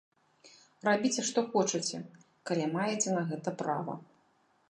Рабіце што хочаце, калі маеце на гэта права!